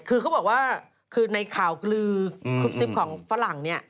คือเขาบอกว่าคือในข่าวกลือคลิปซิปของฝรั่งเนี่ย